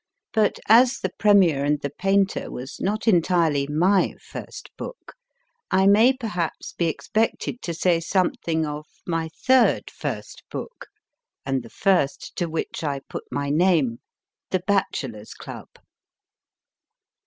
But as The Premier and the Painter was not entirely my first book, I may perhaps be expected to say something of my third first book, and the first to which I put my name The Bachelors Club.